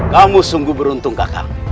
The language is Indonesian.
kamu sungguh beruntung kakak